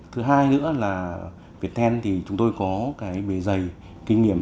thứ hai nữa là việt tên thì chúng tôi có cái về dày kinh nghiệm